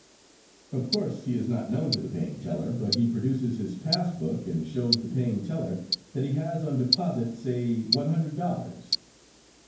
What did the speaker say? Of course, he is not known to the paying teller, but he produces his pass book and shows the paying teller that he has on deposit say one hundred dollars.